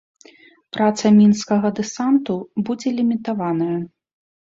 Праца мінскага дэсанту будзе лімітаваная.